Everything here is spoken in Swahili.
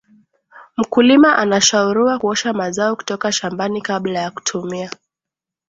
mkulima anashauriwa kuosha mazao kutoka shambani kabla ya kutumia